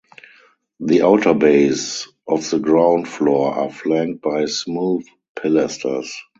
The outer bays of the ground floor are flanked by smooth pilasters.